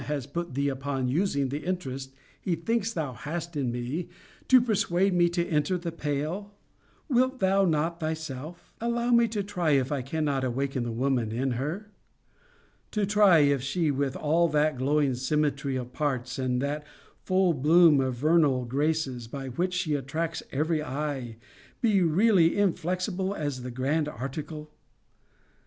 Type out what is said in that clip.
has put thee upon using the interest he thinks thou hast in me, to persuade me to enter the pale; wilt thou not thyself) allow me to try if I cannot awaken the woman in her? To try if she, with all that glowing symmetry of parts, and that full bloom of vernal graces, by which she attracts every eye, be really inflexible as to the grand article?